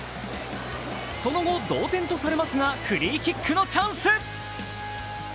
その後、同点とされますが、フリーキックのチャンス。